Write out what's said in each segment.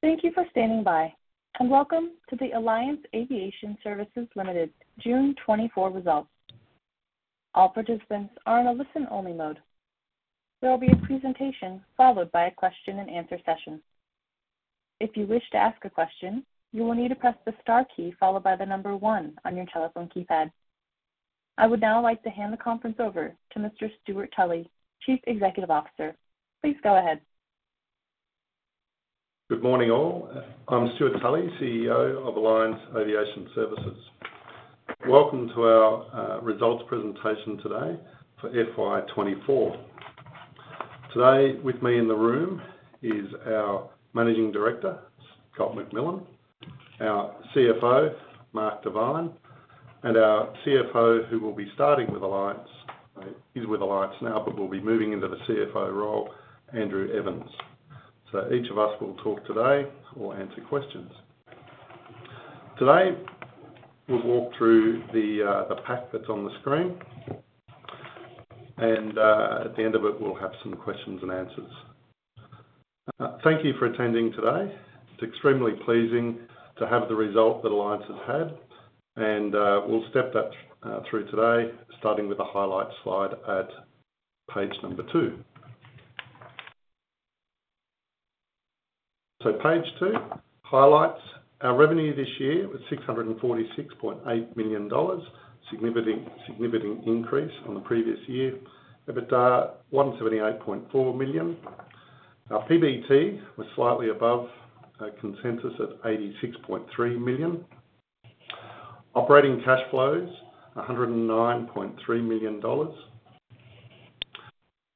Thank you for standing by, and welcome to the Alliance Aviation Services Ltd. June 2024 Results. All participants are in a listen-only mode. There will be a presentation, followed by a question-and-answer session. If you wish to ask a question, you will need to press the star key followed by the number one on your telephone keypad. I would now like to hand the conference over to Mr. Stewart Tully, Chief Executive Officer. Please go ahead. Good morning, all. I'm Stewart Tully, CEO of Alliance Aviation Services. Welcome to our results presentation today for FY 2024. Today, with me in the room is our Managing Director, Scott McMillan, our CFO, Marc Devine, and our CFO, who will be starting with Alliance. He's with Alliance now, but will be moving into the CFO role, Andrew Evans. So each of us will talk today or answer questions. Today, we'll walk through the pack that's on the screen. And at the end of it, we'll have some questions and answers. Thank you for attending today. It's extremely pleasing to have the result that Alliance has had, and we'll step that through today, starting with the highlights slide at page number two. So page two, highlights. Our revenue this year was 646.8 million dollars, a significant increase from the previous year. EBITDA, 178.4 million. Our PBT was slightly above consensus at 86.3 million. Operating cash flows, 109.3 million dollars.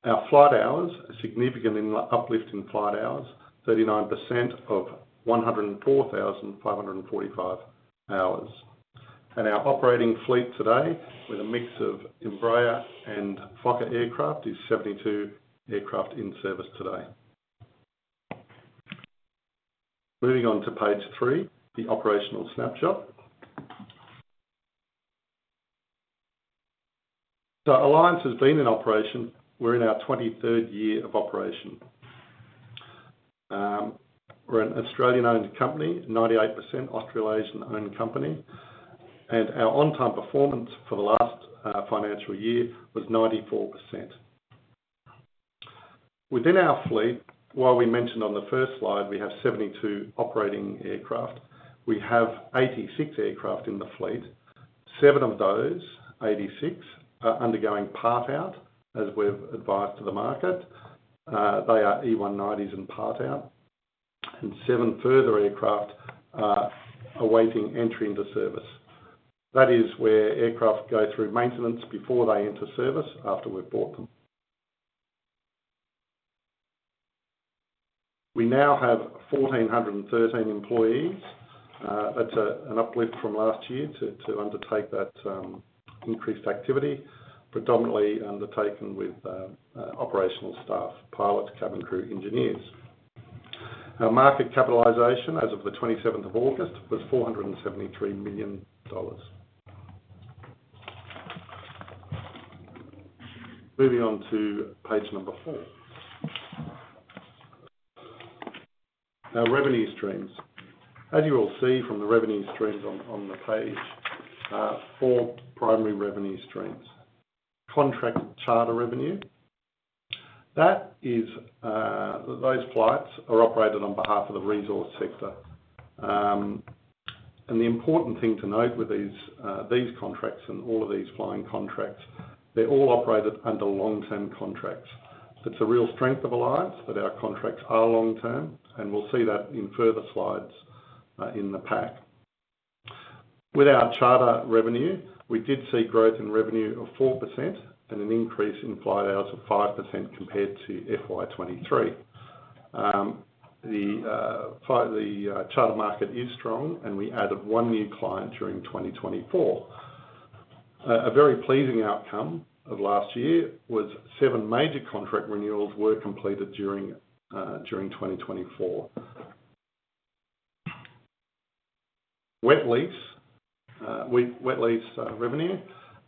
Our flight hours, a significant uplift in flight hours, 39% to 104,545 hours. Our operating fleet today, with a mix of Embraer and Fokker aircraft, is 72 aircraft in service today. Moving on to page three, the operational snapshot. So Alliance has been in operation. We're in our 23rd year of operation. We're an Australian-owned company, 98% Australasian-owned company, and our on-time performance for the last financial year was 94%. Within our fleet, while we mentioned on the first slide, we have 72 operating aircraft, we have 86 aircraft in the fleet. Seven of those 86 are undergoing part-out, as we've advised to the Market. They are E190s in part-out, and seven further aircraft are waiting entry into service. That is where aircraft go through maintenance before they enter service, after we've bought them. We now have 1,413 employees. That's an uplift from last year to undertake that increased activity, predominantly undertaken with operational staff, pilots, cabin crew, engineers. Our Market capitalization as of the 27 of August was 473 million dollars. Moving on to page number four. Our revenue streams. As you will see from the revenue streams on the page, four primary revenue streams. Contract charter revenue, that is, those flights are operated on behalf of the resource sector, and the important thing to note with these contracts and all of these flying contracts, they're all operated under long-term contracts. It's a real strength of Alliance that our contracts are long-term, and we'll see that in further slides, in the pack. With our charter revenue, we did see growth in revenue of 4% and an increase in flight hours of 5% compared to FY 2023. The charter Market is strong, and we added one new client during 2024. A very pleasing outcome of last year was seven major contract renewals were completed during 2024. Wet lease revenue,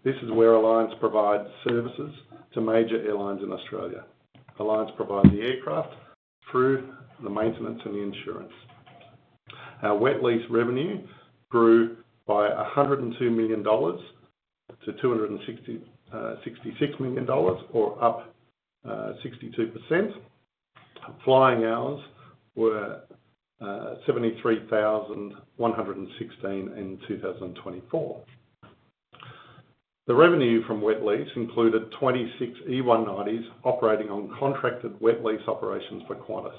this is where Alliance provides services to major airlines in Australia. Alliance provide the aircraft, crew, the maintenance, and the insurance. Our wet lease revenue grew by 102 million dollars to 266 million dollars or up 62%. Flying hours were 73,116 in 2024. The revenue from wet lease included 26 E190s, operating on contracted wet lease operations for Qantas.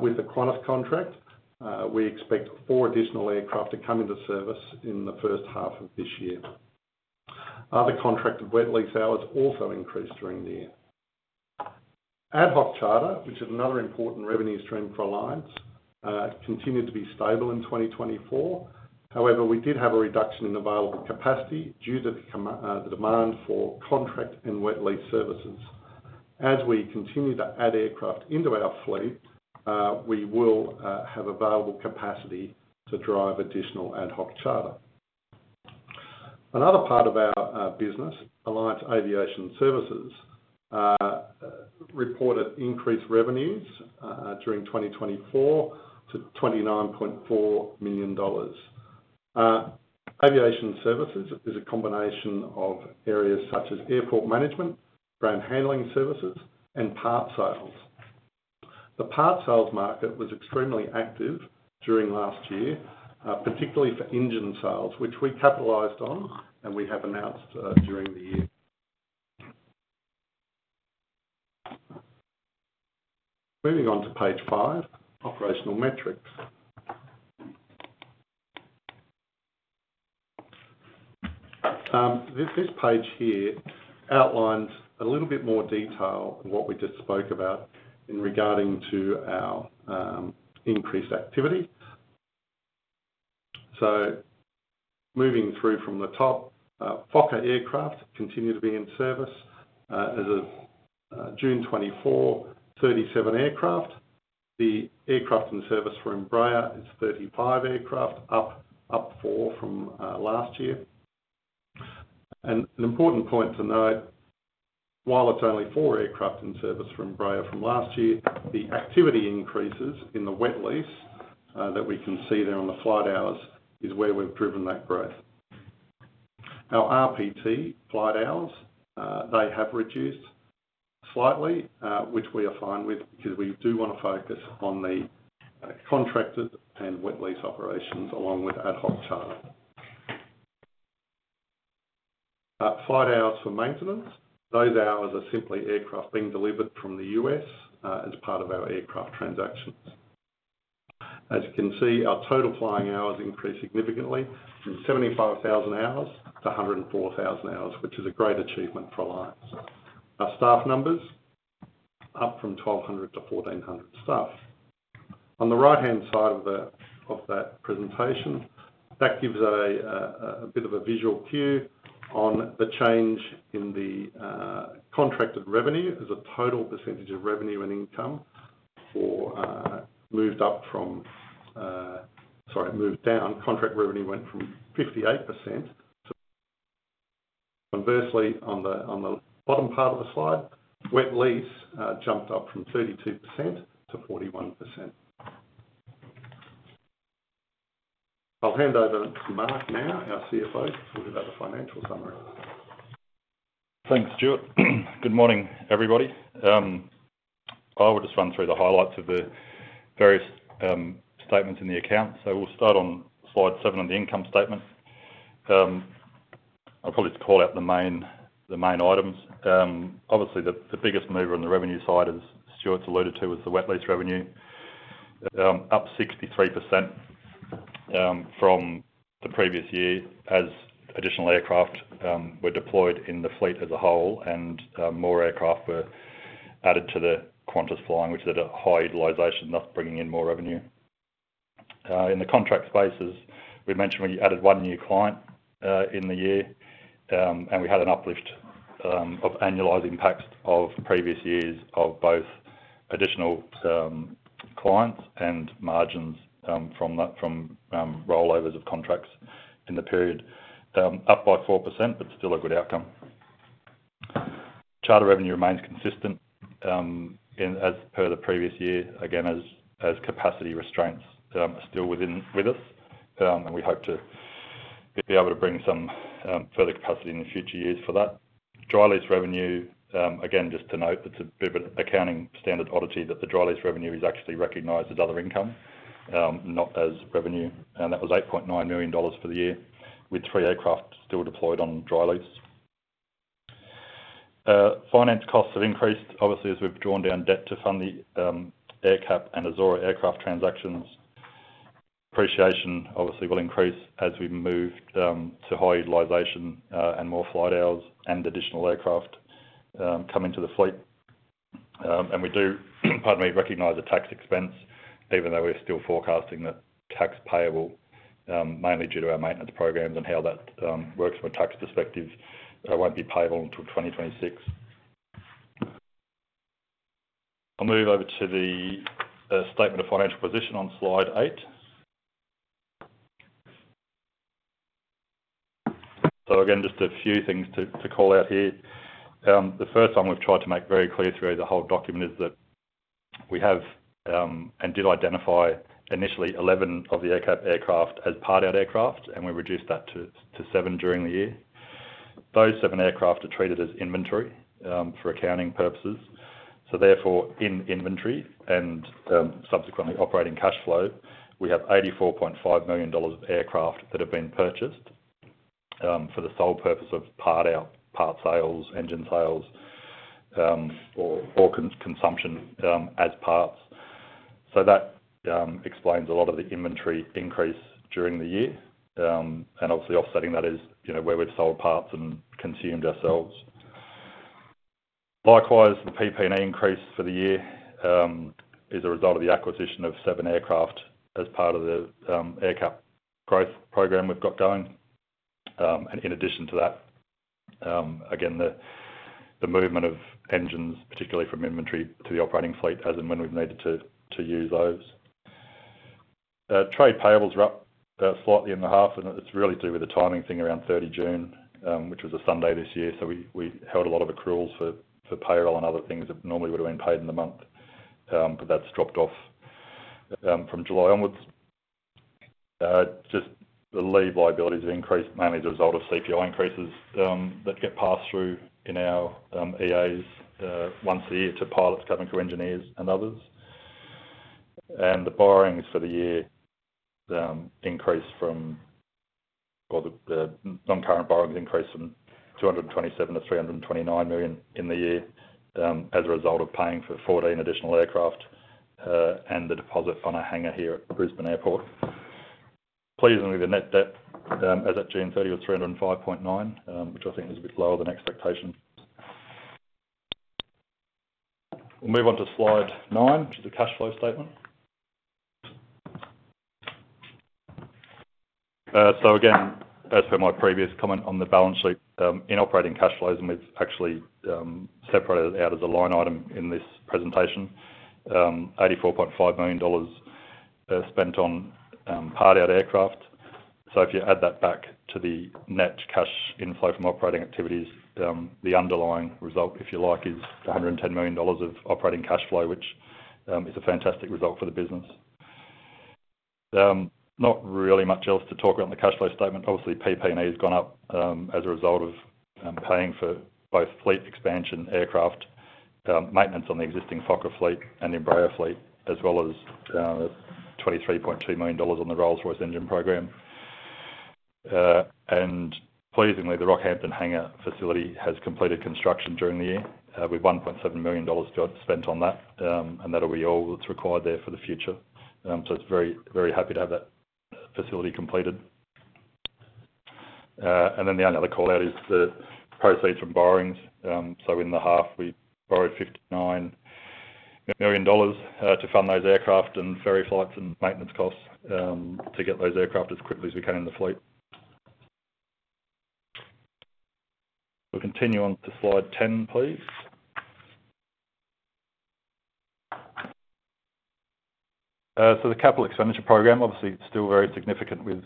With the Qantas contract, we expect four additional aircraft to come into service in the first half of this year. Other contracted wet lease hours also increased during the year. Ad hoc charter, which is another important revenue stream for Alliance, continued to be stable in 2024. However, we did have a reduction in available capacity due to the demand for contract and wet lease services. As we continue to add aircraft into our fleet, we will have available capacity to drive additional ad hoc charter. Another part of our business, Alliance Aviation Services, reported increased revenues during 2024 to 29.4 million dollars. Aviation Services is a combination of areas such as airport management, ground handling services, and parts sales. The parts sales Market was extremely active during last year, particularly for engine sales, which we capitalized on and we have announced during the year. Moving on to page five, Operational Metrics. This page here outlines a little bit more detail on what we just spoke about in regard to our increased activity. So moving through from the top, Fokker aircraft continue to be in service as of June 2024, 37 aircraft. The aircraft in service from Embraer is 35 aircraft, up four from last year, and an important point to note, while it's only four aircraft in service from Embraer from last year, the activity increases in the wet lease that we can see there on the flight hours, is where we've driven that growth. Our RPT flight hours, they have reduced slightly, which we are fine with, because we do want to focus on the contracted and wet lease operations, along with ad hoc charter. Flight hours for maintenance, those hours are simply aircraft being delivered from the U.S. as part of our aircraft transactions. As you can see, our total flying hours increased significantly from 75,000 hours to 104,000 hours, which is a great achievement for Alliance. Our staff numbers, up from twelve hundred to fourteen hundred staff. On the right-hand side of that presentation, that gives a bit of a visual cue on the change in the contracted revenue as a total percentage of revenue and income for, moved up from... Sorry, moved down. Contract revenue went from 58% to conversely, on the bottom part of the slide, wet lease jumped up from 32% to 41%. I'll hand over to Marc now, our CFO, to talk about the financial summary. Thanks, Stewart. Good morning, everybody. I will just run through the highlights of the various statements in the account, so we'll start on slide seven on the income statement. I'll probably just call out the main items. Obviously, the biggest mover on the revenue side, as Stewart's alluded to, was the wet lease revenue, up 63%, from the previous year as additional aircraft were deployed in the fleet as a whole, and more aircraft were added to the Qantas flying, which is at a high utilization, thus bringing in more revenue. In the contract spaces, we mentioned we added one new client in the year, and we had an uplift of annualized impacts of previous years of both additional clients and margins from that, rollovers of contracts in the period, up by 4%, but still a good outcome. Charter revenue remains consistent, in as per the previous year, again, as capacity restraints are still with us, and we hope to be able to bring some further capacity in the future years for that. Dry lease revenue, again, just to note, it's a bit of an accounting standard oddity that the dry lease revenue is actually recognized as other income, not as revenue, and that was 8.9 million dollars for the year, with 3 aircraft still deployed on dry lease. Finance costs have increased, obviously, as we've drawn down debt to fund the AerCap and Azorra aircraft transactions. Depreciation obviously will increase as we've moved to high utilization and more flight hours and additional aircraft come into the fleet. We do, pardon me, recognize the tax expense, even though we're still forecasting the tax payable, mainly due to our maintenance programs and how that works from a tax perspective. It won't be payable until 2026. I'll move over to the statement of financial position on slide eight. Again, just a few things to call out here. The first one we've tried to make very clear through the whole document is that we have and did identify initially 11 of the AerCap aircraft as part-out aircraft, and we reduced that to seven during the year. Those seven aircraft are treated as inventory for accounting purposes. So therefore, in inventory and subsequently, operating cash flow, we have 84.5 million dollars of aircraft that have been purchased for the sole purpose of part-out, parts sales, engine sales, or consumption as parts. So that explains a lot of the inventory increase during the year, and obviously, offsetting that is, you know, where we've sold parts and consumed ourselves. Likewise, the PP&E increase for the year is a result of the acquisition of seven aircraft as part of the AerCap growth program we've got going. And in addition to that, again, the movement of engines, particularly from inventory to the operating fleet, as and when we've needed to use those. Trade payables are up slightly in the half, and it's really to do with the timing thing around thirty June, which was a Sunday this year. So we held a lot of accruals for payroll and other things that normally would have been paid in the month, but that's dropped off from July onwards. Just the leave liabilities have increased, mainly as a result of CPI increases that get passed through in our EAs once a year to pilots, cabin crew, engineers, and others. The borrowings for the year increased from—or the non-current borrowings increased from 227 million to 329 million in the year as a result of paying for 14 additional aircraft and the deposit on a hangar here at Brisbane Airport. Pleasingly, the net debt as at June 30 was 305.9 million, which I think is a bit lower than expectation. We'll move on to slide nine, which is the cash flow statement. So again, as per my previous comment on the balance sheet, in operating cash flows, and we've actually separated it out as a line item in this presentation, 84.5 million dollars are spent on part-out aircraft. So if you add that back to the net cash inflow from operating activities, the underlying result, if you like, is 110 million dollars of operating cash flow, which is a fantastic result for the business. Not really much else to talk about in the cash flow statement. Obviously, PP&E has gone up, as a result of paying for both fleet expansion aircraft, maintenance on the existing Fokker fleet and Embraer fleet, as well as 23.2 million dollars on the Rolls-Royce engine program. And pleasingly, the Rockhampton hangar facility has completed construction during the year, with 1.7 million dollars got spent on that, and that'll be all that's required there for the future. So it's very, very happy to have that facility completed. And then the only other call-out is the proceeds from borrowings. So in the half, we borrowed 59 million dollars to fund those aircraft and ferry flights and maintenance costs, to get those aircraft as quickly as we can in the fleet. We'll continue on to slide 10, please. So the capital expenditure program, obviously, it's still very significant with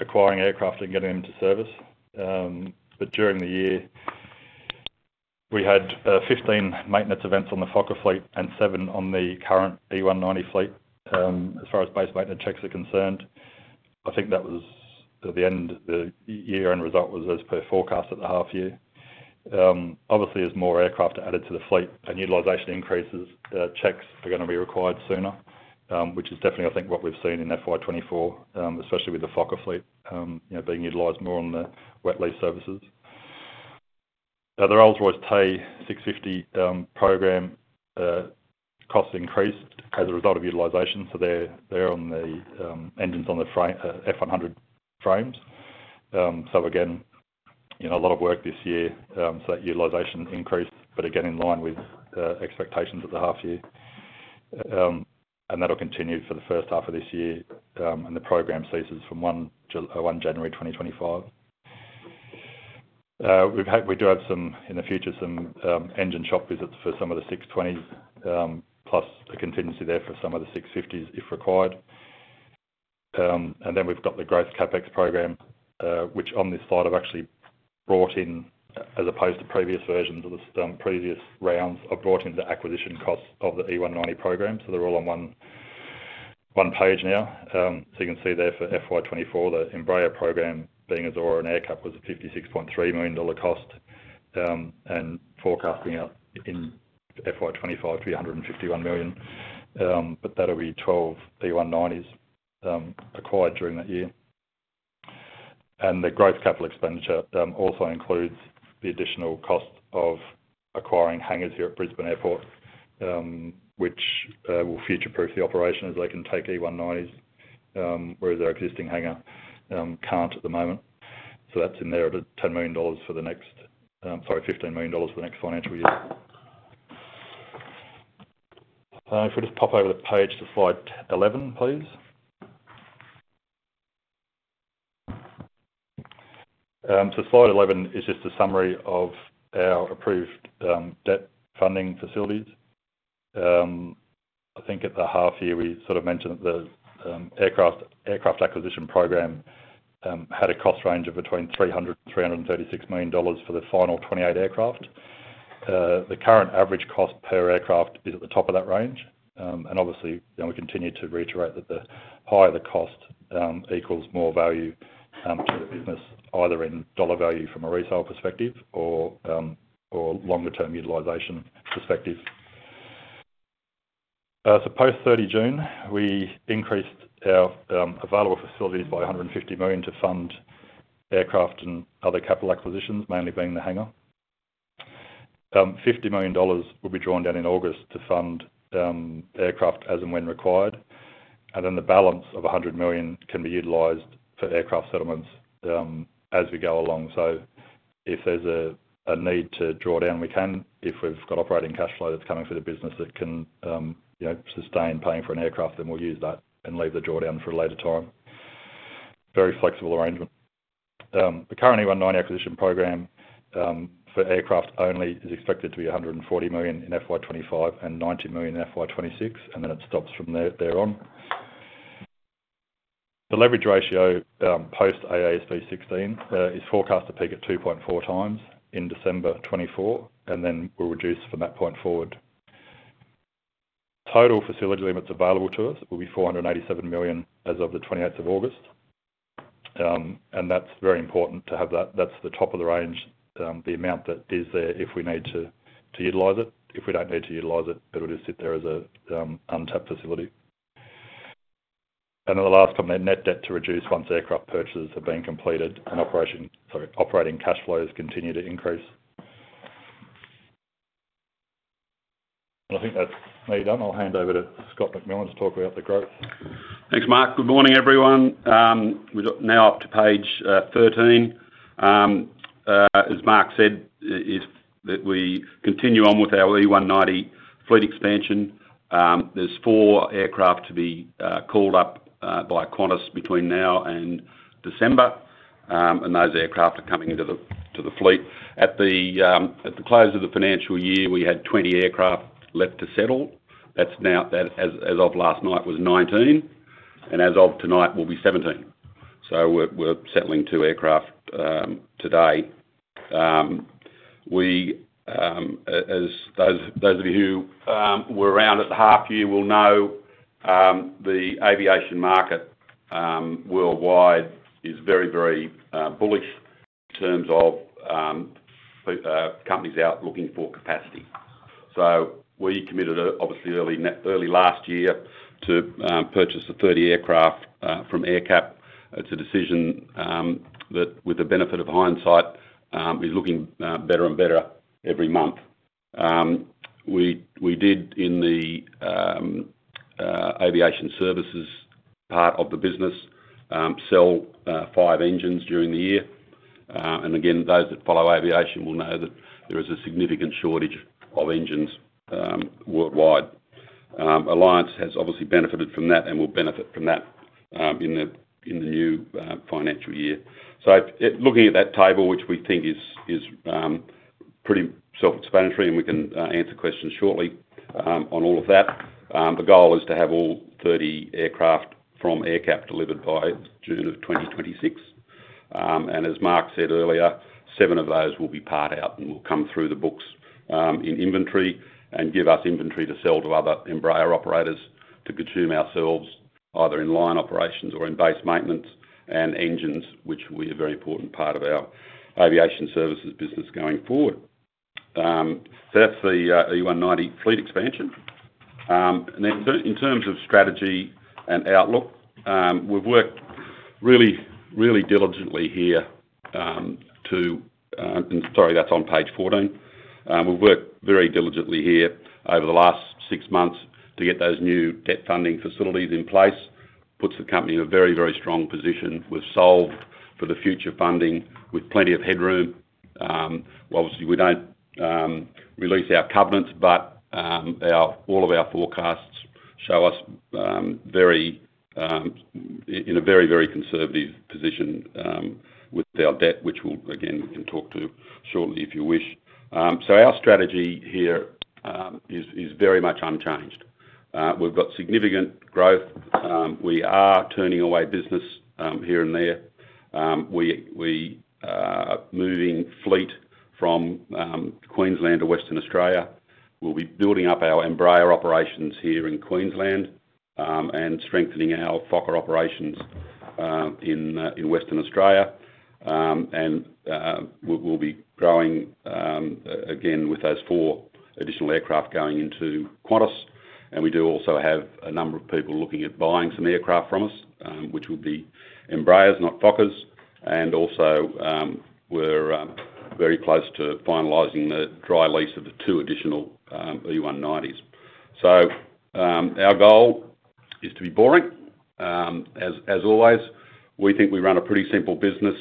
acquiring aircraft and getting them into service. But during the year, we had 15 maintenance events on the Fokker fleet and seven on the current E190 fleet. As far as base maintenance checks are concerned, I think that was at the end of the year, and the result was as per forecast at the half year. Obviously, as more aircraft are added to the fleet and utilization increases, checks are gonna be required sooner, which is definitely, I think, what we've seen in FY 2024, especially with the Fokker fleet, you know, being utilized more on the wet lease services. Now, the Rolls-Royce Tay 650 program costs increased as a result of utilization, so they're on the engines on the F100 frames. So again, you know, a lot of work this year, so that utilization increased, but again, in line with expectations at the half year. And that'll continue for the first half of this year, and the program ceases from 1 January 2025. We do have some, in the future, some engine shop visits for some of the 620s, plus a contingency there for some of the 650s, if required. And then we've got the growth CapEx program, which on this slide, I've actually brought in, as opposed to previous versions of this, previous rounds, I've brought in the acquisition costs of the E190 program, so they're all on one page now. So you can see there for FY 2024, the Embraer program, being Azorra and AerCap, was an 56.3 million dollar cost, and forecasting out in FY 2025 to 351 million. But that'll be 12 E190s acquired during that year. And the gross capital expenditure also includes the additional cost of acquiring hangars here at Brisbane Airport, which will future-proof the operation, as they can take E190s, whereas our existing hangar can't at the moment. So that's in there at 10 million dollars for the next. Sorry, 15 million dollars for the next financial year. If we just pop over the page to slide 11, please. So slide 11 is just a summary of our approved debt funding facilities. I think at the half year, we sort of mentioned that the aircraft acquisition program had a cost range of between AUD 300 million and 336 million dollars for the final 28 aircraft. The current average cost per aircraft is at the top of that range, and obviously, you know, we continue to reiterate that the higher the cost equals more value to the business, either in dollar value from a resale perspective or longer-term utilization perspective. Post 30 June, we increased our available facilities by 150 million to fund aircraft and other capital acquisitions, mainly being the hangar. 50 million dollars will be drawn down in August to fund aircraft as and when required, and then the balance of 100 million can be utilized for aircraft settlements as we go along. If there's a need to draw down, we can. If we've got operating cash flow that's coming through the business that can, you know, sustain paying for an aircraft, then we'll use that and leave the draw down for a later time. Very flexible arrangement. The current E190 acquisition program, for aircraft only is expected to be 140 million in FY 2025, and 90 million in FY 2026, and then it stops from there, thereon. The leverage ratio, post AASB 16, is forecast to peak at 2.4x in December 2024, and then will reduce from that point forward. Total facility limits available to us will be 487 million as of the 28th of August, and that's very important to have that. That's the top of the range, the amount that is there if we need to utilize it. If we don't need to utilize it, it'll just sit there as an untapped facility. And then the last one, net debt to reduce once aircraft purchases have been completed and operating cash flows continue to increase. And I think that's me done. I'll hand over to Scott McMillan to talk about the growth. Thanks, Marc. Good morning, everyone. We're now up to page 13. As Marc said, it is that we continue on with our E190 fleet expansion. There's four aircraft to be called up by Qantas between now and December. And those aircraft are coming into the fleet. At the close of the financial year, we had 20 aircraft left to settle. That's now, as of last night, was 19, and as of tonight, will be 17. So we're settling two aircraft today. As those of you were around at the half year will know, the aviation Market worldwide is very, very bullish in terms of companies out looking for capacity. So we committed, obviously, early last year to purchase the thirty aircraft from AerCap. It's a decision that with the benefit of hindsight is looking better and better every month. We did in the aviation services part of the business sell five engines during the year. And again, those that follow aviation will know that there is a significant shortage of engines worldwide. Alliance has obviously benefited from that and will benefit from that in the new financial year. So looking at that table, which we think is pretty self-explanatory, and we can answer questions shortly on all of that. The goal is to have all thirty aircraft from AerCap delivered by June of 2026. As Marc said earlier, seven of those will be parked out and will come through the books, in inventory and give us inventory to sell to other Embraer operators to consume ourselves, either in line operations or in base maintenance and engines, which will be a very important part of our aviation services business going forward. That's the E190 fleet expansion. Now, in terms of strategy and outlook, we've worked really, really diligently here to. Sorry, that's on page 14. We've worked very diligently here over the last six months to get those new debt funding facilities in place. Puts the company in a very, very strong position. We've solved for the future funding with plenty of headroom. Well, obviously, we don't release our covenants, but all of our forecasts show us very in a very, very conservative position with our debt, which we'll, again, we can talk to shortly, if you wish. So our strategy here is very much unchanged. We've got significant growth. We are turning away business here and there. We are moving fleet from Queensland to Western Australia. We'll be building up our Embraer operations here in Queensland and strengthening our Fokker operations in Western Australia. And we'll be growing again with those four additional aircraft going into Qantas. We do also have a number of people looking at buying some aircraft from us, which will be Embraers, not Fokkers. We're very close to finalizing the dry lease of the two additional E190s. Our goal is to be boring. As always, we think we run a pretty simple business.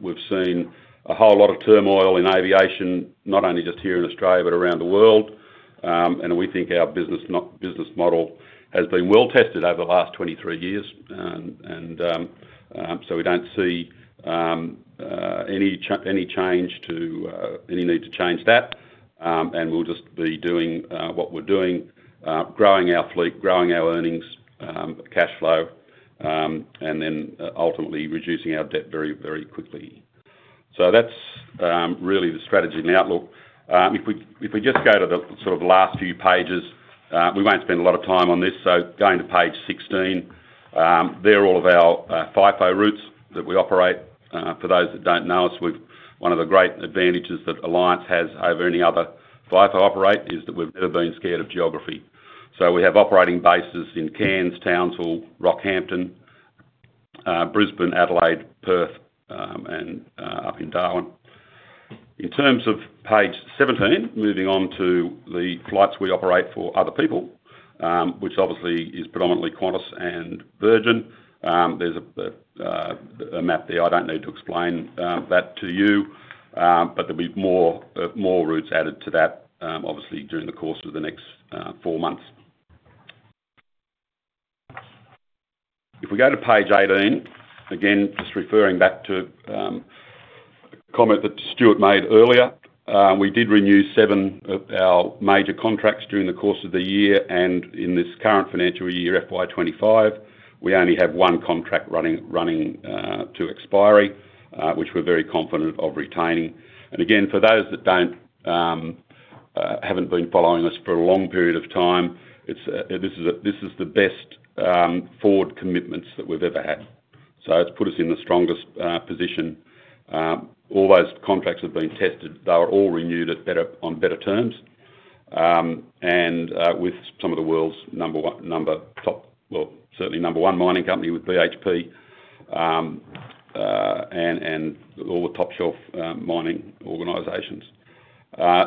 We've seen a whole lot of turmoil in aviation, not only just here in Australia, but around the world. We think our business model has been well-tested over the last 23 years. We don't see any change to any need to change that. We'll just be doing what we're doing, growing our fleet, growing our earnings, cash flow, and then ultimately reducing our debt very, very quickly. That's really the strategy and outlook. If we, if we just go to the sort of last few pages, we won't spend a lot of time on this, so going to page 16. They're all of our FIFO routes that we operate. For those that don't know us, one of the great advantages that Alliance has over any other FIFO operator is that we've never been scared of geography. So we have operating bases in Cairns, Townsville, Rockhampton, Brisbane, Adelaide, Perth, and up in Darwin. In terms of page seventeen, moving on to the flights we operate for other people, which obviously is predominantly Qantas and Virgin. There's a map there. I don't need to explain that to you, but there'll be more routes added to that, obviously, during the course of the next four months. If we go to page 18, again, just referring back to a comment that Stewart made earlier. We did renew seven of our major contracts during the course of the year, and in this current financial year, FY25, we only have one contract running to expiry, which we're very confident of retaining, and again, for those that haven't been following us for a long period of time, it's the best forward commitments that we've ever had, so it's put us in the strongest position. All those contracts have been tested. They were all renewed on better terms, and with some of the world's number one mining company with BHP, and all the top shelf mining organizations.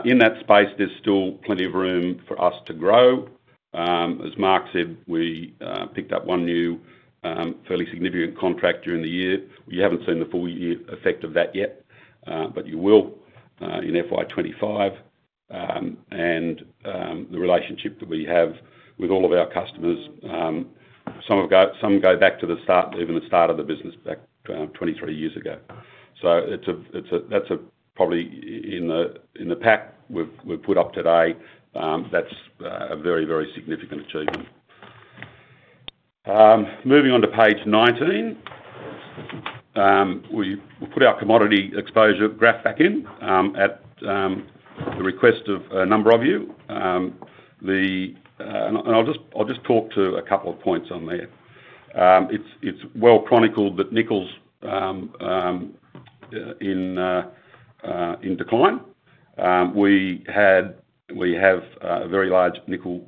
In that space, there's still plenty of room for us to grow. As Marc said, we picked up one new fairly significant contract during the year. You haven't seen the full year effect of that yet, but you will in FY 2025. And the relationship that we have with all of our customers, some go back to the start, even the start of the business, back 23 years ago. So it's a, it's a, that's probably in the pack we've put up today, that's a very, very significant achievement. Moving on to page 19. We've put our commodity exposure graph back in at the request of a number of you. The... and I'll just talk to a couple of points on there. It's well chronicled that nickel's in decline. We have a very large nickel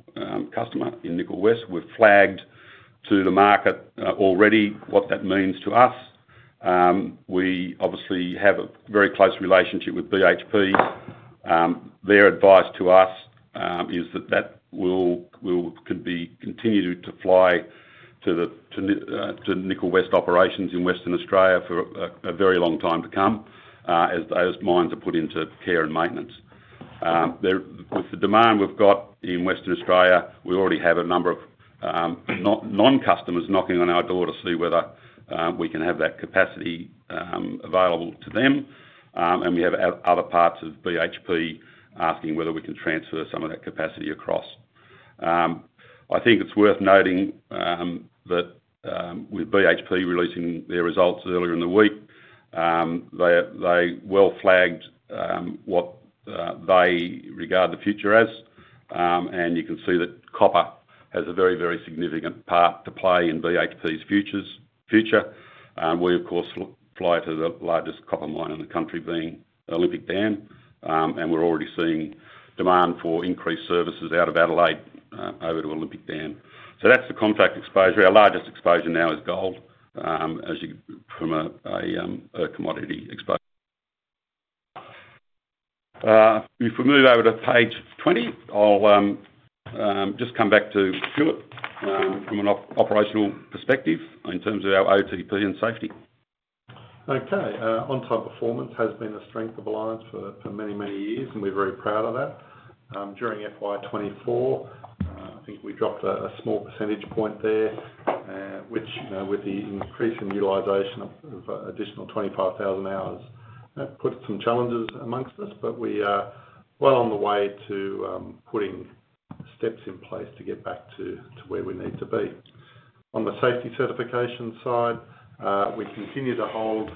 customer in Nickel West. We've flagged to the Market already what that means to us. We obviously have a very close relationship with BHP. Their advice to us is that that will continue to fly to the Nickel West operations in Western Australia for a very long time to come, as those mines are put into care and maintenance. With the demand we've got in Western Australia, we already have a number of non-customers knocking on our door to see whether we can have that capacity available to them. And we have other parts of BHP asking whether we can transfer some of that capacity across. I think it's worth noting that with BHP releasing their results earlier in the week, they well flagged what they regard the future as. And you can see that copper has a very, very significant part to play in BHP's future. We, of course, fly to the largest copper mine in the country being Olympic Dam. And we're already seeing demand for increased services out of Adelaide over to Olympic Dam. So that's the contract exposure. Our largest exposure now is gold, as you from a commodity expo. If we move over to page 20, I'll just come back to Stewart, from an operational perspective in terms of our OTP and safety. Okay. On-time performance has been a strength of Alliance for many years, and we're very proud of that. During FY 2024, I think we dropped a small percentage point there, which with the increase in utilization of additional 25,000 hours put some challenges among us. But we are well on the way to putting steps in place to get back to where we need to be. On the safety certification side, we continue to hold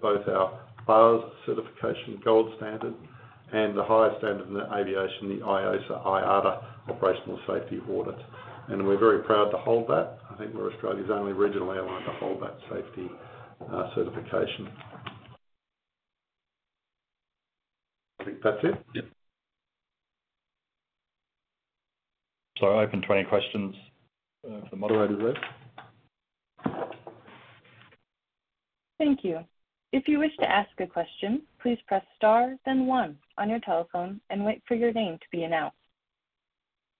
both our BARS certification, gold standard, and the highest standard in the aviation, the IOSA IATA Operational Safety Audit, and we're very proud to hold that. I think we're Australia's only regional airline to hold that safety certification. I think that's it. Yep. So, I'm open to any questions for the moderator there. Thank you. If you wish to ask a question, please press star, then one on your telephone and wait for your name to be announced.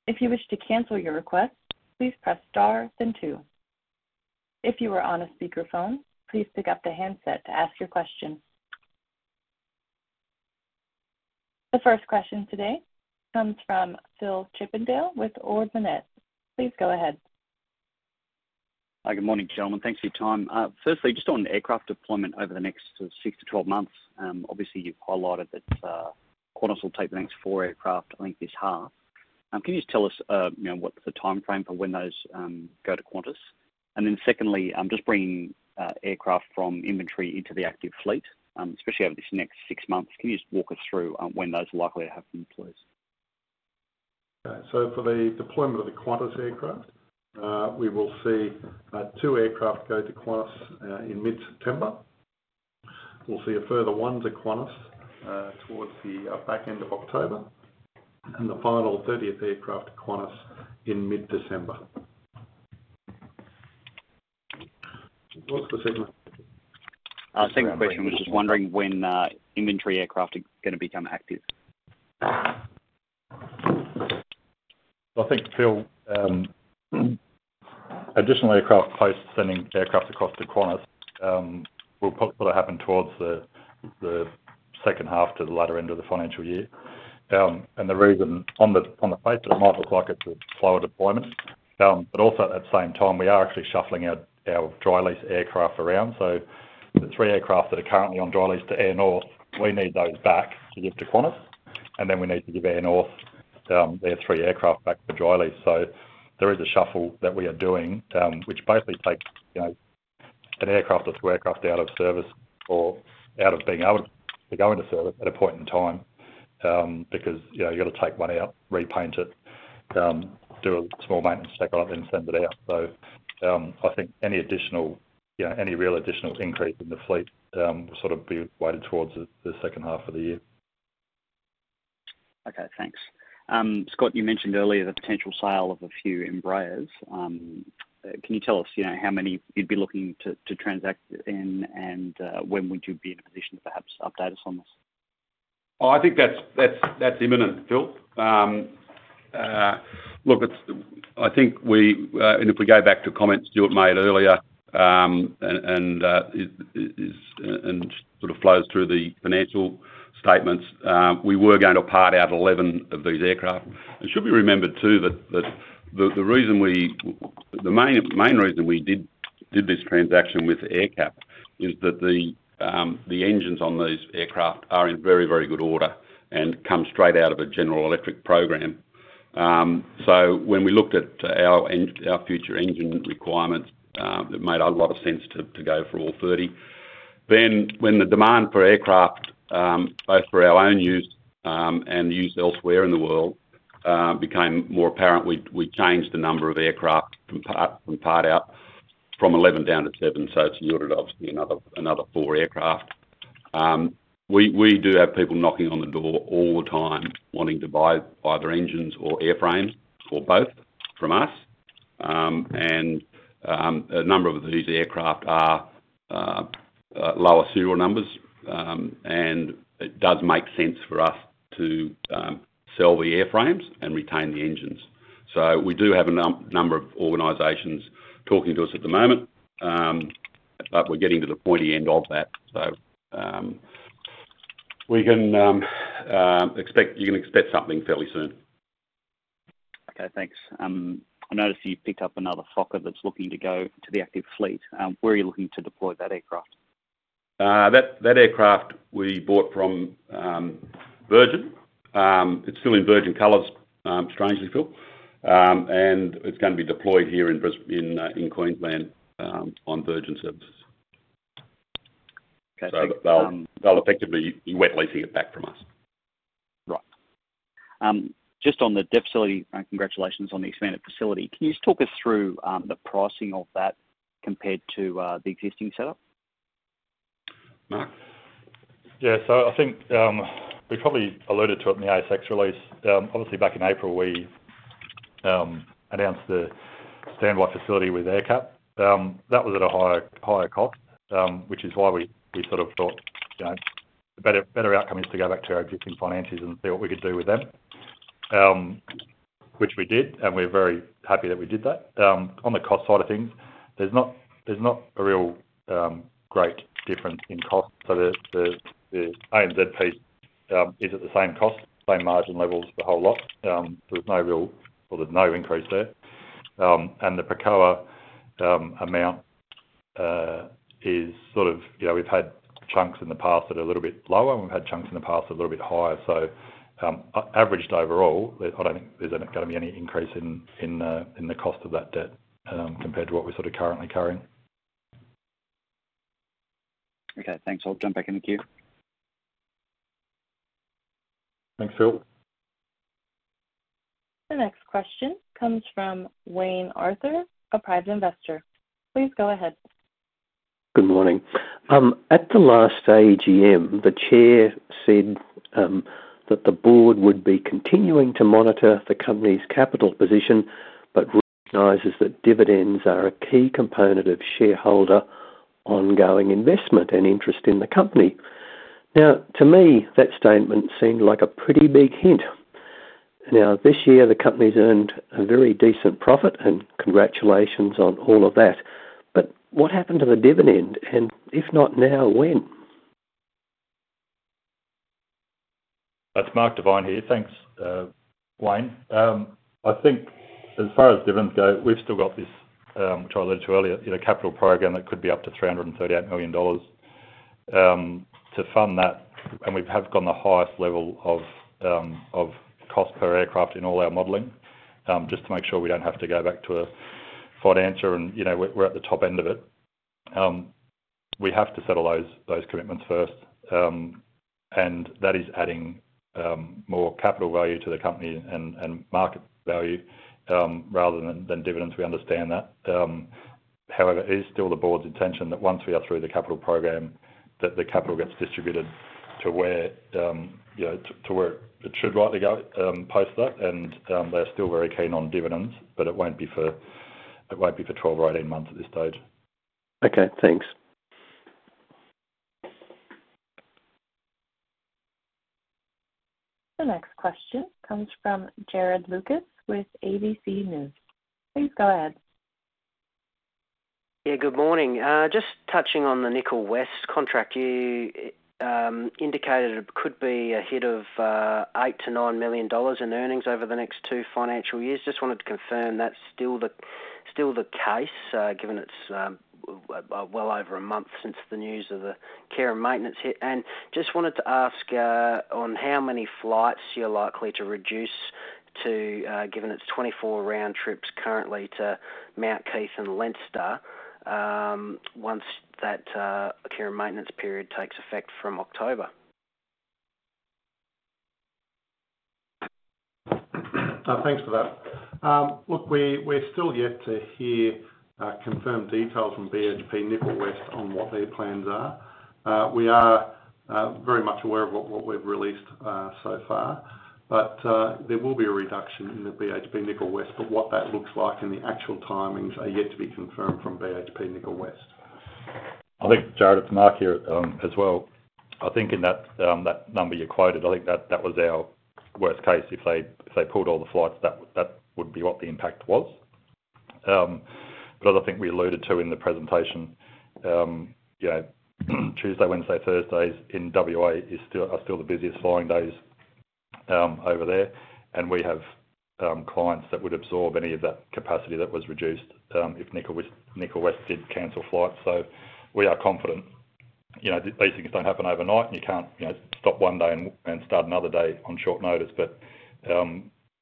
If you wish to cancel your request, please press star, then two. If you are on a speakerphone, please pick up the handset to ask your question. The first question today comes from Phil Chippindale with Ord Minnett. Please go ahead. Hi, good morning, gentlemen. Thanks for your time. Firstly, just on aircraft deployment over the next sort of 6-12 months, obviously you've highlighted that Qantas will take the next four aircraft, I think, this half. Can you just tell us, you know, what the timeframe for when those go to Qantas? And then secondly, just bringing aircraft from inventory into the active fleet, especially over this next six months. Can you just walk us through when those are likely to happen, please? So for the deployment of the Qantas aircraft, we will see two aircraft go to Qantas in mid-September. We'll see a further one to Qantas towards the back end of October, and the final thirtieth aircraft to Qantas in mid-December. What was the second one? Second question, was just wondering when inventory aircraft are gonna become active? I think, Phil. Additionally, aircraft closure sending aircraft across to Qantas will probably happen towards the second half to the latter end of the financial year. And the reason on the face, it might look like it's a slower deployment, but also at the same time, we are actually shuffling out our dry lease aircraft around. So the three aircraft that are currently on dry lease to Airnorth, we need those back to give to Qantas, and then we need to give Airnorth their three aircraft back for dry lease. So there is a shuffle that we are doing, which basically takes, you know, an aircraft or three aircraft out of service or out of being able to go into service at a point in time, because, you know, you've got to take one out, repaint it, do a small maintenance check on it, then send it out. So, I think any additional, you know, any real additional increase in the fleet, will sort of be weighted towards the second half of the year. Okay, thanks. Scott, you mentioned earlier the potential sale of a few Embraers. Can you tell us, you know, how many you'd be looking to transact in, and when would you be in a position to perhaps update us on this? Oh, I think that's imminent, Phil. Look, it's. I think we, and if we go back to comments Stewart made earlier, and it is, and sort of flows through the financial statements, we were going to part out 11 of these aircraft. It should be remembered, too, that the reason we, the main reason we did this transaction with AerCap is that the engines on these aircraft are in very, very good order and come straight out of a General Electric program. So when we looked at our future engine requirements, it made a lot of sense to go for all 30. When the demand for aircraft both for our own use and use elsewhere in the world became more apparent, we changed the number of aircraft from part-out from 11 down to seven, so it's narrowed it, obviously, another four aircraft. We do have people knocking on the door all the time wanting to buy either engines or airframes or both from us. A number of these aircraft are lower serial numbers, and it does make sense for us to sell the airframes and retain the engines. We do have a number of organizations talking to us at the moment, but we're getting to the pointy end of that. You can expect something fairly soon. Okay, thanks. I noticed you picked up another Fokker that's looking to go to the active fleet. Where are you looking to deploy that aircraft? That aircraft we bought from Virgin. It's still in Virgin colors, strangely, Phil. And it's gonna be deployed here in Brisbane, in Queensland, on Virgin services. Okay, thanks. So they'll effectively be wet leasing it back from us. Right. Just on the debt facility, and congratulations on the expanded facility. Can you just talk us through the pricing of that compared to the existing setup? Marc? Yeah. So I think we probably alluded to it in the ASX release. Obviously, back in April, we announced the standby facility with AerCap. That was at a higher cost, which is why we sort of thought, you know, better outcome is to go back to our existing financiers and see what we could do with them, which we did, and we're very happy that we did that. On the cost side of things, there's not a real great difference in cost. So the ANZ is at the same cost, same margin levels for the whole lot. There's no real or there's no increase there. And the Pricoa amount is sort of, you know, we've had chunks in the past that are a little bit lower, and we've had chunks in the past a little bit higher. So averaged overall, there, I don't think there's gonna be any increase in the cost of that debt, compared to what we're sort of currently carrying. Okay, thanks. I'll jump back in the queue. Thanks, Phil. The next question comes from Wayne Arthur, a private investor. Please go ahead. Good morning. At the last AGM, the chair said that the board would be continuing to monitor the company's capital position, but recognizes that dividends are a key component of shareholder ongoing investment and interest in the company. Now, to me, that statement seemed like a pretty big hint. Now, this year, the company's earned a very decent profit, and congratulations on all of that. But what happened to the dividend? And if not now, when? That's Marc Devine here. Thanks, Wayne. I think as far as dividends go, we've still got this, which I alluded to earlier, in a capital program that could be up to 338 million dollars. To fund that, and we have gotten the highest level of cost per aircraft in all our modeling, just to make sure we don't have to go back to a financier, and, you know, we're at the top end of it. We have to settle those commitments first, and that is adding more capital value to the company and Market value, rather than dividends. We understand that. However, it is still the board's intention that once we are through the capital program, that the capital gets distributed to where, you know, to where it should rightly go, post that, and they're still very keen on dividends, but it won't be for 12 or 18 months at this stage. Okay, thanks. The next question comes from Jarrod Lucas with ABC News. Please go ahead. Yeah, good morning. Just touching on the Nickel West contract, you indicated it could be ahead of 8-9 million dollars in earnings over the next two financial years. Just wanted to confirm that's still the, still the case, given it's well over a month since the news of the care and maintenance hit. And just wanted to ask on how many flights you're likely to reduce to, given it's 24 round trips currently to Mount Keith and Leinster, once that care and maintenance period takes effect from October? Thanks for that. Look, we're still yet to hear confirmed details from BHP Nickel West on what their plans are. We are very much aware of what we've released so far, but there will be a reduction in the BHP Nickel West, but what that looks like and the actual timings are yet to be confirmed from BHP Nickel West. I think, Jarrod, to Marc here, as well, I think in that number you quoted, I think that was our worst case. If they pulled all the flights, that would be what the impact was. But I think we alluded to in the presentation, you know, Tuesday, Wednesday, Thursdays in WA are still the busiest flying days over there, and we have clients that would absorb any of that capacity that was reduced if Nickel West did cancel flights. So we are confident. You know, these things don't happen overnight, and you can't, you know, stop one day and start another day on short notice. But,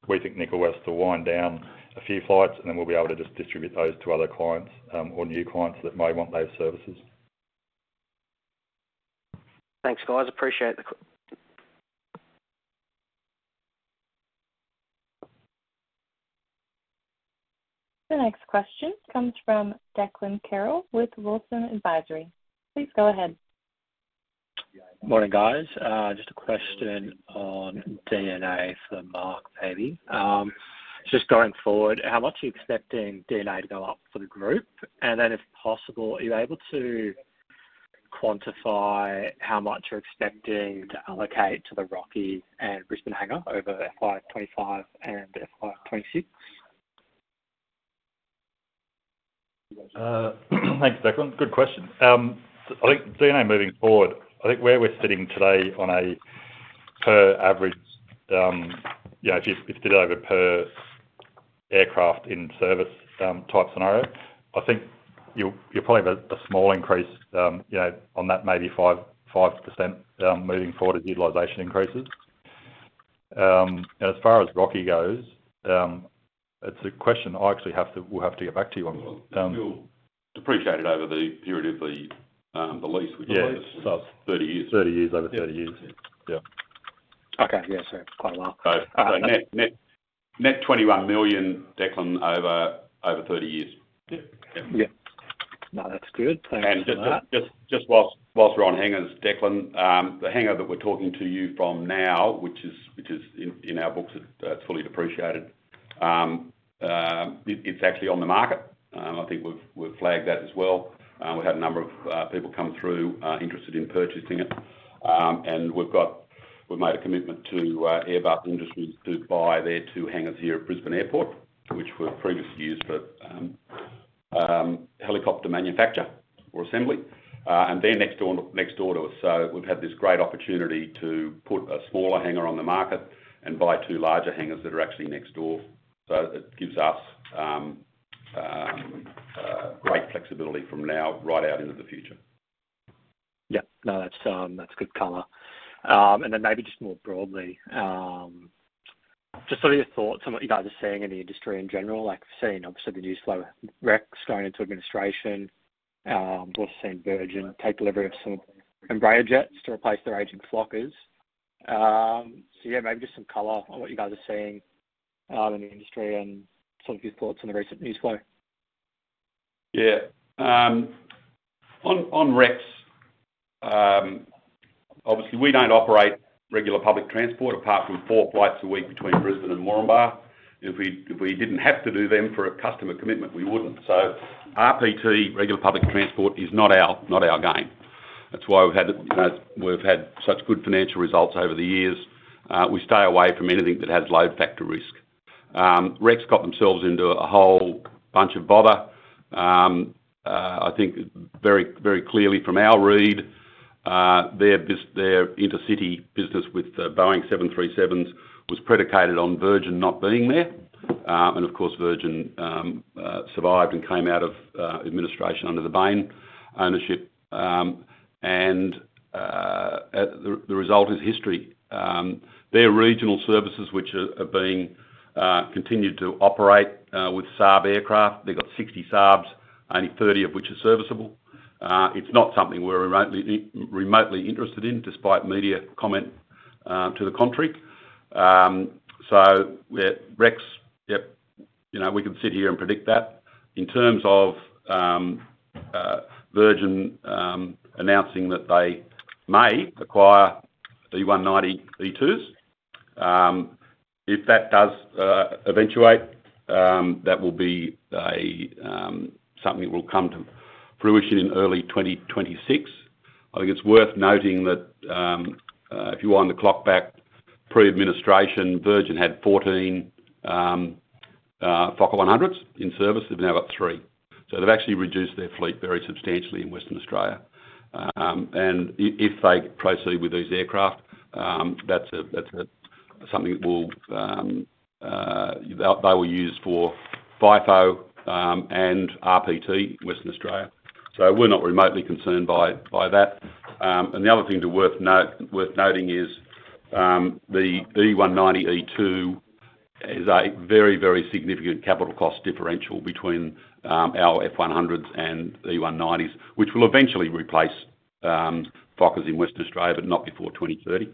we think Nickel West will wind down a few flights, and then we'll be able to just distribute those to other clients, or new clients that may want those services. Thanks, guys. Appreciate it. The next question comes from Declan Carroll with Wilsons Advisory. Please go ahead. Morning, guys. Just a question on D&A for Marc, maybe. Just going forward, how much are you expecting D&A to go up for the group? And then, if possible, are you able to quantify how much you're expecting to allocate to the Rockhampton and Brisbane hangar over FY 2025 and FY 2026? Thanks, Declan. Good question. I think D&A moving forward, I think where we're sitting today on a per average, you know, if you did it over per aircraft in service, type scenario, I think you'll probably have a small increase, you know, on that maybe 5%, moving forward as utilization increases. As far as Rocky goes, it's a question I actually have to. We'll have to get back to you on. It'll depreciate it over the period of the lease, which is- Yeah. 30 years. Thirty years. Over 30 years. Yeah. Yeah. Okay. Yeah, so quite a while. Net, net, net 21 million, Declan, over 30 years. Yeah. Yeah. No, that's good. Thanks for that. Just whilst we're on hangars, Declan, the hangar that we're talking to you from now, which is in our books, fully depreciated. It is actually on the Market, and I think we've flagged that as well. We had a number of people come through interested in purchasing it. And we've made a commitment to Airbus to buy their two hangars here at Brisbane Airport, which were previously used for helicopter manufacture or assembly. And they're next door to us. So we've had this great opportunity to put a smaller hangar on the Market and buy two larger hangars that are actually next door. So that gives us great flexibility from now right out into the future. Yeah. No, that's good color. And then maybe just more broadly, just sort of your thoughts on what you guys are seeing in the industry in general. Like we've seen, obviously, the news flow, Rex going into administration. We've seen Virgin take delivery of some Embraer jets to replace their aging Fokkers. So yeah, maybe just some color on what you guys are seeing in the industry and sort of your thoughts on the recent news flow. Yeah. On Rex, obviously, we don't operate regular public transport apart from four flights a week between Brisbane and Moranbah. If we didn't have to do them for a customer commitment, we wouldn't. So RPT, regular public transport, is not our game. That's why we've had, you know, we've had such good financial results over the years. We stay away from anything that has load factor risk. Rex got themselves into a whole bunch of bother. I think very clearly from our read, their intercity business with Boeing 737s was predicated on Virgin not being there. And of course, Virgin survived and came out of administration under the Bain ownership, and the result is history. Their regional services, which are being continued to operate with Saab aircraft. They've got 60 Saabs, only 30 of which are serviceable. It's not something we're remotely interested in, despite media comment to the contrary. So yeah, Rex, yep, you know, we can sit here and predict that. In terms of Virgin announcing that they may acquire the E190-E2s. If that does eventuate, that will be a something that will come to fruition in early 2026. I think it's worth noting that if you wind the clock back, pre-administration, Virgin had 14 Fokker 100s in service. They've now got three. So they've actually reduced their fleet very substantially in Western Australia. And if they proceed with these aircraft, that's something that they will use for FIFO and RPT in Western Australia. So we're not remotely concerned by that. And the other thing worth noting is the E190-E2 is a very, very significant capital cost differential between our F100s and E190s, which will eventually replace Fokkers in Western Australia, but not before 2030.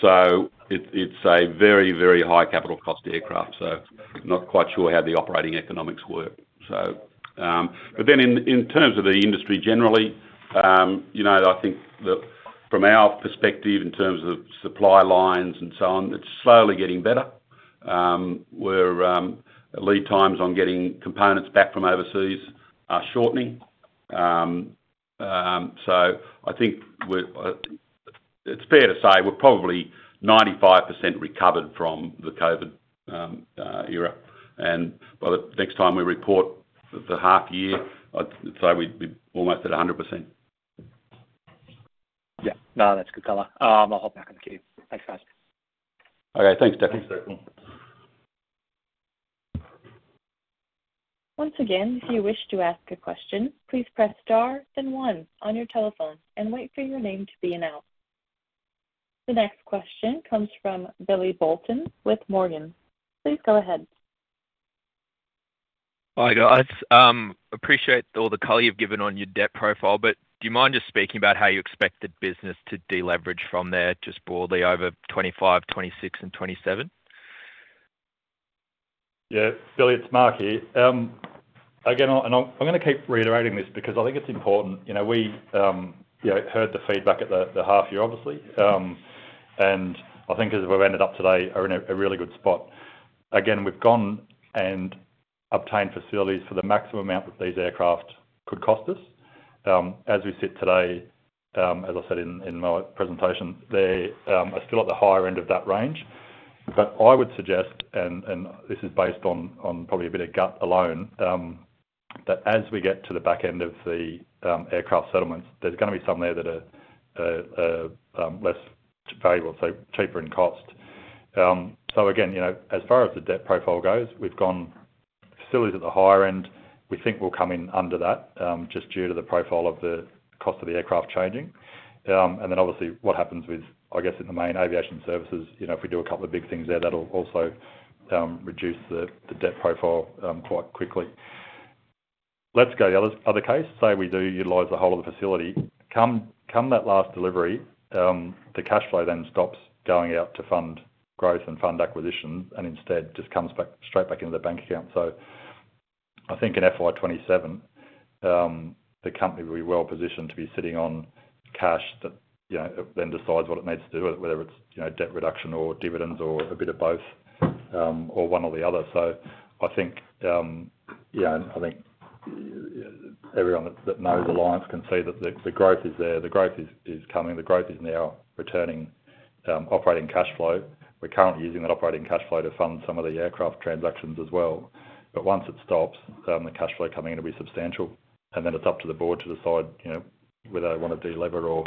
So it's a very, very high capital cost aircraft, so not quite sure how the operating economics work. But then in terms of the industry generally, you know, I think that from our perspective, in terms of supply lines and so on, it's slowly getting better. Lead times on getting components back from overseas are shortening. So I think it's fair to say we're probably 95% recovered from the COVID era, and by the next time we report the half year, I'd say we'd be almost at 100%. Yeah. No, that's good color. I'll hop back in the queue. Thanks, guys. Okay. Thanks, Declan. Once again, if you wish to ask a question, please press star then one on your telephone and wait for your name to be announced. The next question comes from Billy Bolton with Morgans. Please go ahead. Hi, guys. Appreciate all the color you've given on your debt profile, but do you mind just speaking about how you expect the business to deleverage from there, just broadly over 2025, 2026 and 2027? Yeah, Billy, it's Marc here. Again, and I'm gonna keep reiterating this because I think it's important. You know, we you know heard the feedback at the half year, obviously. And I think as we've ended up today, are in a really good spot. Again, we've gone and obtained facilities for the maximum amount that these aircraft could cost us. As we sit today, as I said in my presentation, they're are still at the higher end of that range. But I would suggest, and this is based on probably a bit of gut alone, that as we get to the back end of the aircraft settlements, there's gonna be some there that are less valuable, so cheaper in cost. So again, you know, as far as the debt profile goes, we've gone facilities at the higher end. We think we'll come in under that, just due to the profile of the cost of the aircraft changing. And then obviously what happens with, I guess, in the main aviation services, you know, if we do a couple of big things there, that'll also reduce the debt profile quite quickly. Let's go the other case, say we do utilize the whole of the facility. Come that last delivery, the cash flow then stops going out to fund growth and fund acquisitions and instead just comes back, straight back into the bank account. So I think in FY 2027, the company will be well positioned to be sitting on cash that, you know, it then decides what it needs to do, whether it's, you know, debt reduction or dividends or a bit of both, or one or the other. So I think, you know, I think everyone that knows Alliance can see that the growth is there, the growth is coming, the growth is now returning, operating cash flow. We're currently using that operating cash flow to fund some of the aircraft transactions as well, but once it stops, the cash flow coming in will be substantial, and then it's up to the board to decide, you know, whether they want to deliver or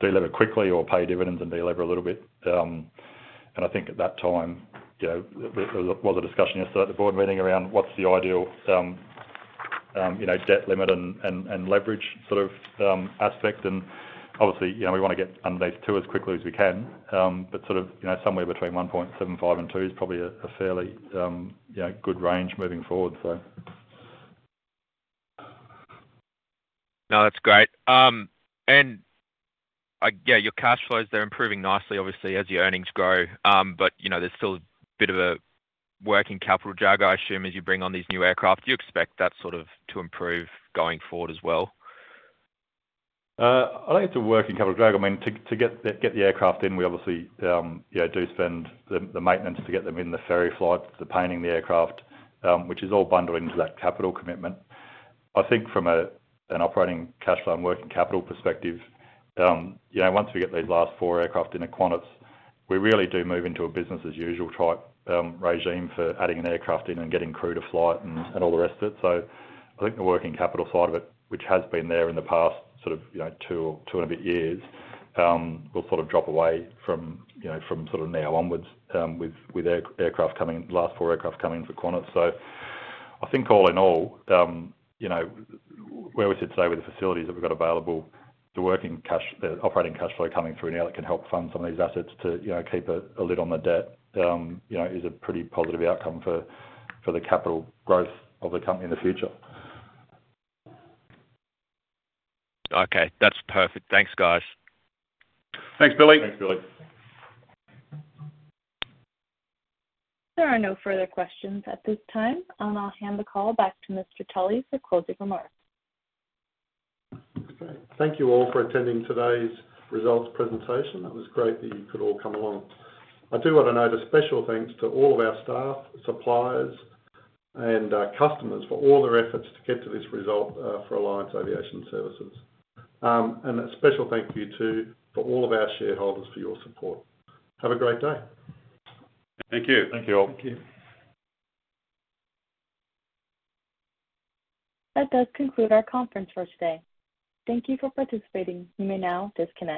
deliver quickly or pay dividends and deliver a little bit. And I think at that time, you know, there was a discussion yesterday at the board meeting around what's the ideal, you know, debt limit and leverage sort of aspect. And obviously, you know, we want to get under those two as quickly as we can, but sort of, you know, somewhere between one point seven five and two is probably a fairly, you know, good range moving forward, so. No, that's great. And yeah, your cash flows, they're improving nicely, obviously, as your earnings grow. But you know, there's still a bit of a working capital drag, I assume, as you bring on these new aircraft. Do you expect that sort of to improve going forward as well? I think it's a working capital drag. I mean, to get the aircraft in, we obviously, you know, do spend the maintenance to get them in, the ferry flights, the painting the aircraft, which is all bundled into that capital commitment. I think from an operating cash flow and working capital perspective, you know, once we get these last four aircraft in at Qantas, we really do move into a business-as-usual type regime for adding an aircraft in and getting crew to flight and all the rest of it. So I think the working capital side of it, which has been there in the past, sort of, you know, two or two and a bit years, will sort of drop away from, you know, from sort of now onwards, with aircraft coming in, last four aircraft coming in for Qantas. So I think all in all, you know, where we sit today with the facilities that we've got available, the working cash, the operating cash flow coming through now that can help fund some of these assets to, you know, keep a lid on the debt, you know, is a pretty positive outcome for the capital growth of the company in the future. Okay. That's perfect. Thanks, guys. Thanks, Billy. Thanks, Billy. There are no further questions at this time, and I'll hand the call back to Mr. Tully for closing remarks. Great. Thank you all for attending today's results presentation. It was great that you could all come along. I do want to note a special thanks to all of our staff, suppliers, and customers for all their efforts to get to this result for Alliance Aviation Services, and a special thank you to all of our shareholders for your support. Have a great day. Thank you. Thank you all. Thank you. That does conclude our conference for today. Thank you for participating. You may now disconnect.